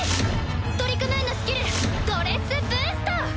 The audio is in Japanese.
トリクムーンのスキルドレスブースト！